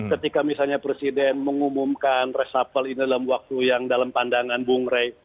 ketika misalnya presiden mengumumkan resapel ini dalam waktu yang dalam pandangan bung rey